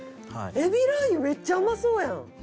海老ラー油めっちゃうまそうやん。